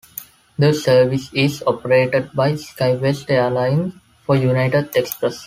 The service is operated by SkyWest Airlines for United Express.